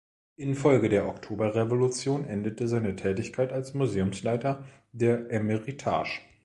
Infolge der Oktoberrevolution endete seine Tätigkeit als Museumsleiter der Eremitage.